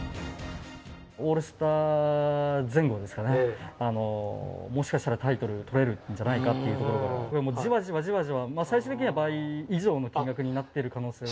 オールスター前後ですかね、もしかしたらタイトル取れるんじゃないかというところからじわじわじわじわ、最終的には倍以上の金額になってる可能性が。